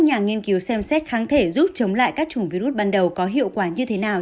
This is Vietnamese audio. nhà nghiên cứu xem xét kháng thể giúp chống lại các chủng virus ban đầu có hiệu quả như thế nào